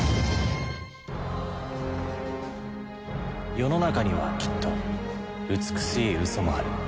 世の中にはきっと美しいウソもある。